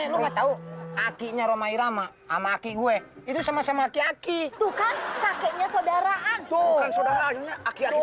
enggak tahu akhirnya romai rama ama aku gue itu sama sama kaki tuh kakeknya saudaraan tuh